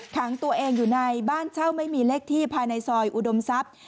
ขังตัวเองอยู่ในบ้านเช่าไม่มีเลขที่ภายในซอยอุดมทรัพย์